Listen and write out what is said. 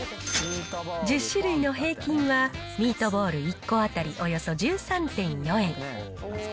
１０種類の平均はミートボール１個当たりおよそ１３．４円。